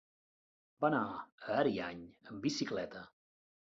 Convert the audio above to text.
Va anar a Ariany amb bicicleta.